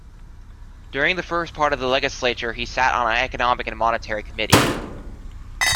During the first part of the legislature he sat on Economic and Monetary Committee.